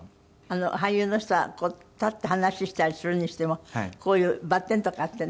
俳優の人は立って話したりするにしてもこういうバッテンとかあってね